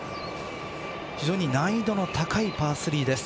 非常に難易度の高いパー３です。